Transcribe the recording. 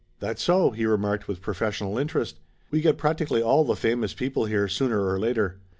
"That so?" he remarked with professional interest. "We get practically all the famous people here, sooner or later!